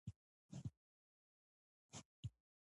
ښایي ډېر خلک د اولیاوو پر کرامت باور ونه لري.